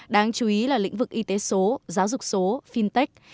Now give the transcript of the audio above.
đáng chú ý là lĩnh vực y tế số giáo dục số fintech